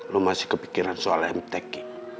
lu masih kepikiran soal mtg